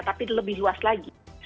tapi lebih luas lagi